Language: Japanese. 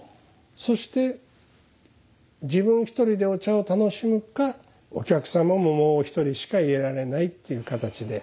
そして自分１人でお茶を楽しむかお客様ももう１人しか入れられないっていう形で。